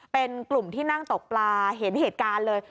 เป็นกลุ่มที่นั่งตกปลาเห็นเหตุการณ์เลย